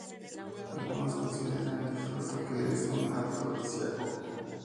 Algunos consideran el fruto que es un afrodisíaco.